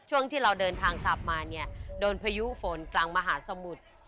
ช่วงที่เราเดินทางกลับมาเนี่ยโดนพายุฝนกลางมหาสมุทร